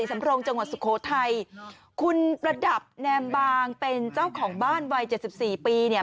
สำโรงจังหวัดสุโขทัยคุณประดับแนมบางเป็นเจ้าของบ้านวัยเจ็ดสิบสี่ปีเนี่ย